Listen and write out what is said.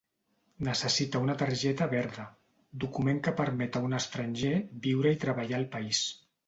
Necessita una targeta verda, document que permet a un estranger viure i treballar al país.